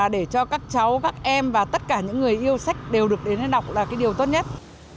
để cho các cháu các em và tất cả những người yêu sách đều được đến đọc là cái điều tốt nhất